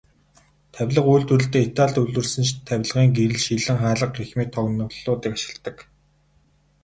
Тавилга үйлдвэрлэлдээ Италид үйлдвэрлэсэн тавилгын гэрэл, шилэн хаалга гэх мэт тоноглолуудыг ашигладаг.